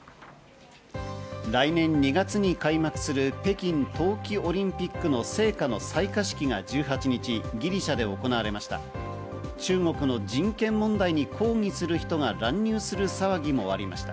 来年２月に開幕する北京冬季オリンピックの聖火の採火式が１８日、ギリシャで行われました。